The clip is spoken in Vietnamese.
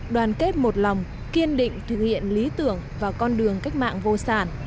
đoàn kết một lòng kiên định thực hiện lý tưởng và con đường cách mạng vô sản